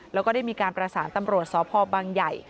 แล้วก็ได้มีการประสานตำรวจสพบังใหญ่